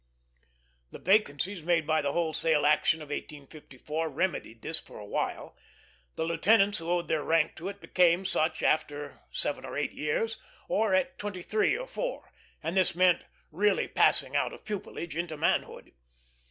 The vacancies made by the wholesale action of 1854 remedied this for a while. The lieutenants who owed their rank to it became such after seven or eight years, or at, twenty three or four; and this meant really passing out of pupilage into manhood.